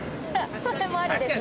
それもありですね。